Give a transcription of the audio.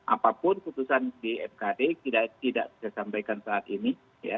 apapun keputusan di mkd tidak disampaikan saat ini